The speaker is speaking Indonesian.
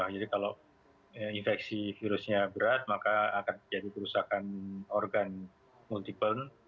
jadi kalau infeksi virusnya berat maka akan jadi kerusakan organ multiple